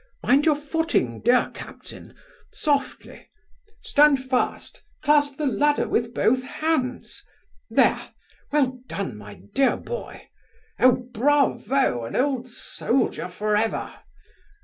mind your footing, dear captain! softly! stand fast! clasp the ladder with both hands! there! well done, my dear boy! O bravo! an old soldier for ever!